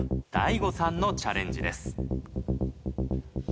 大悟さんのチャレンジです。